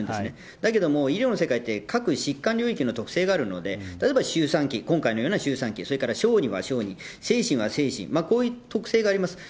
だけども医療の世界って各疾患領域の特性があるので、例えば、周産期、今回のような周産期、それから小児は小児、精神は精神、こういう特性があります。